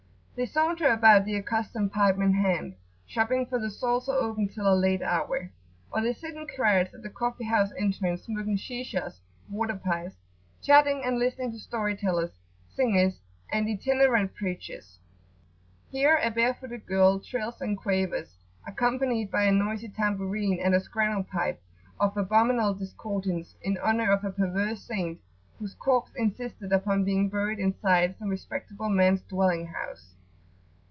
[FN#11] They saunter about, the accustomed pipe in hand, shopping, for the stalls are open till a late hour; or they sit in crowds at the coffee house entrance, smoking Shishas,[FN#12] (water pipes), chatting, and listening to story tellers, singers and itinerant preachers. Here a bare footed girl trills and quavers, accompanied by a noisy tambourine and a "scrannel pipe" of abominable discordance, in honour of a perverse saint whose corpse insisted upon being buried inside some respectable man's dwelling house.